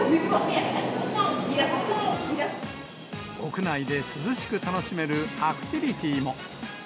屋内で涼しく楽しめるアクティビティーも。